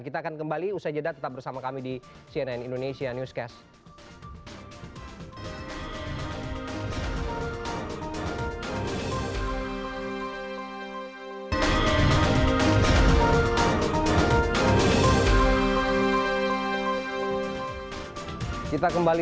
kita akan kembali usai jeda tetap bersama kami di cnn indonesia newscast